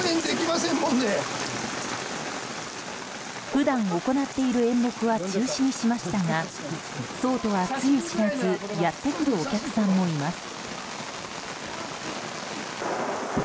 普段行っている演目は中止にしましたがそうとは、つゆ知らずやってくるお客さんもいます。